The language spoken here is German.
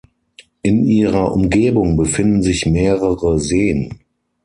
In ihrer Umgebung befinden sich mehrere Seen.